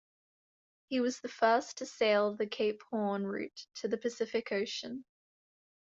He was the first to sail the Cape Horn route to the Pacific Ocean.